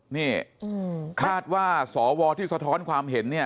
นี่คาดว่าสวที่สะท้อนความเห็นเนี่ย